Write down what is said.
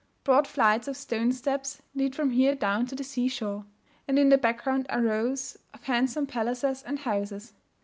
Broad flights of stone steps lead from here down to the sea shore; and in the background are rows of handsome palaces and houses.